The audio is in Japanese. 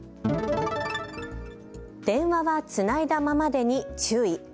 電話はつないだままでに注意。